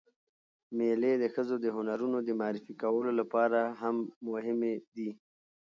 مېلې د ښځو د هنرونو د معرفي کولو له پاره هم مهمې دي.